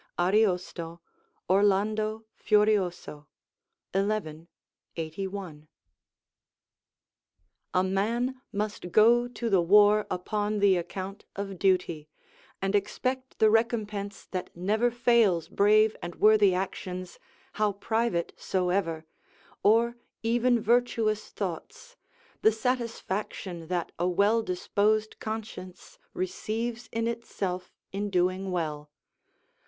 Ariosto, Orlando Furioso, xi. 81.] A man must go to the war upon the account of duty, and expect the recompense that never fails brave and worthy actions, how private soever, or even virtuous thoughts the satisfaction that a well disposed conscience receives in itself in doing well.